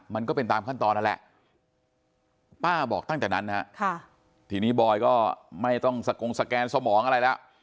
มันก็เป็นตามขั้นตอนนั่นแหละป้าบอกตั้งแต่นั้นฮะทีนี้บอยก็ไม่ต้องสกงสแกนสมองอะไรแล้ว